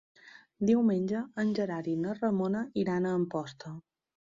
Diumenge en Gerard i na Ramona iran a Amposta.